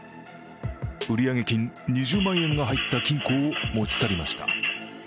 売上金２０万円が入った金庫を持ち去りました。